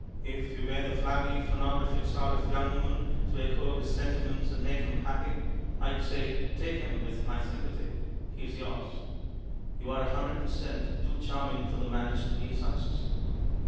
If you were the flabby, phono graphic sort of young woman to echo his senti ments and make him happy, I'd say, 'Take him with my sympathy — he's yours !' You're a hun dred per cent, too charming for the marriage to be a success.